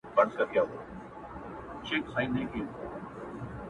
بلکي په درېيم حالت له بدلېدو وروسته پلي کوي